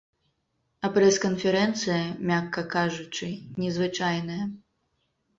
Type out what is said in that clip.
А прэс-канферэнцыя, мякка кажучы, незвычайная.